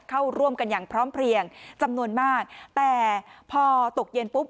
เข้าร่วมกันอย่างพร้อมเพลียงจำนวนมากแต่พอตกเย็นปุ๊บ